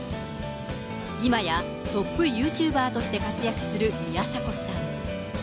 今や、トップユーチューバーとして活躍する宮迫さん。